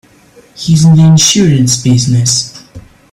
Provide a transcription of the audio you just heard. He's in the insurance business.